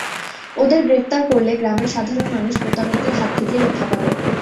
ওদের গ্রেপ্তার করলে গ্রামের সাধারণ মানুষ প্রতারকদের হাত থেকে রক্ষা পাবে।